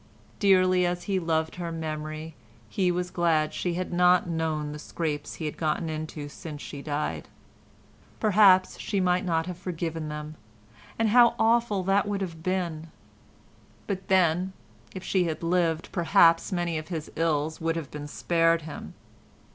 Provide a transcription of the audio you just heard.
Dearly as he loved her memory, he was glad she had not known the scrapes he had got into since she died; perhaps she might not have forgiven them—and how awful that would have been! But then, if she had lived, perhaps many of his ills would have been spared him.